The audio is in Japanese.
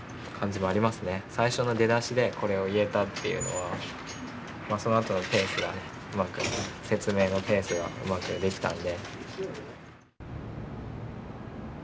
最初の出だしでこれを言えたっていうのはそのあとの説明のペースがうまくできたんで。